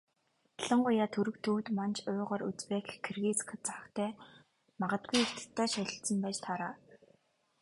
Ялангуяа Түрэг, Төвөд, Манж, Уйгар, Узбек, Киргиз, Казахтай магадгүй Хятадтай ч холилдсон байж таараа.